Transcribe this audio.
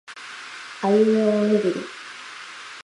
あいうえおおにぎり